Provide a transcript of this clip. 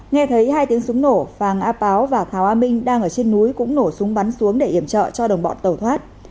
nghe thấy hai tiếng súng nổ phàng á páo và thảo a minh đang ở trên núi cũng nổ súng bắn xuống để iểm trợ cho đồng bọn tàu thoát